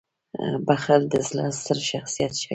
• بخښل د زړه ستر شخصیت ښيي.